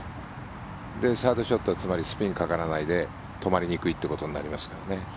サードショットはスピンがかからないで止まりにくいということになりますからね。